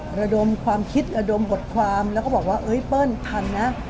ระดมความคิดระดมบทความแล้วก็บอกว่าเอ้ยเปิ้ลทันนะ